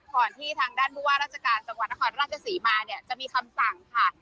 ก่อนที่ทางด้านบุว่าราชการจังหวัดนครราชสี่มาจะมีคำสั่งค่ะ